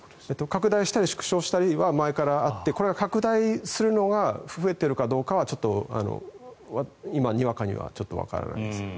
拡大したり縮小したりは前からあってこれが拡大するのが増えているのかどうかはちょっと今にわかにはわからないですね。